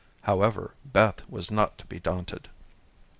However, Beth was not to be daunted.